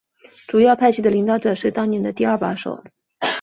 主要派系的领导者是当年的第二把手。